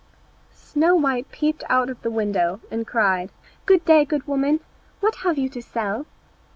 Snow white peeped out of the window and cried, "Good day, good woman, what have you to sell?"